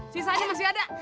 sisanya masih ada